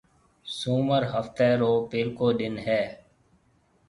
سومر هفتي رو پيلڪو ڏن هيَ۔